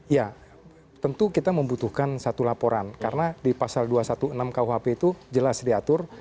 ya tentu kita membutuhkan satu laporan karena di pasal dua ratus enam belas kuhp itu jelas diatur